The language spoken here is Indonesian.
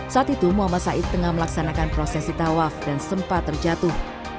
saat itu muhammad said tengah melaksanakan prosesi tawaf dan sempat terjatuh